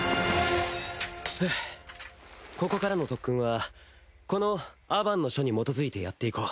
ふぅここからの特訓はこのアバンの書に基づいてやっていこう。